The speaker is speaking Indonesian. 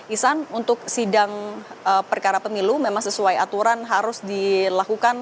isan untuk sidang perkara pemilu memang sesuai aturan harus dilakukan